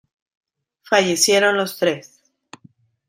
Fallecieron los tres.